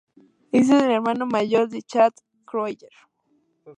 Él es el hermano mayor de Chad Kroeger.